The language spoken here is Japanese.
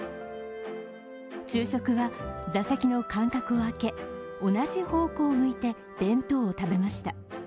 昼食は座席の間隔を空け同じ方向を向いて弁当を食べました。